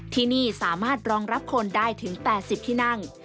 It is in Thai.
ที่นี่สามารถรองรับคนได้ถึง๘๐ที่นั่ง